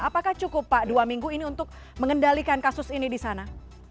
apakah cukup pak dua minggu ini untuk mengendalikan kasus ini di sana